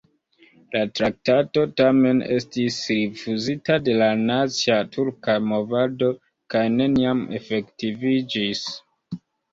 La traktato, tamen, estis rifuzita de la nacia turka movado kaj neniam efektiviĝis.